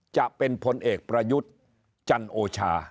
จะเป็นพลเอกประยุทธ์จันโอชา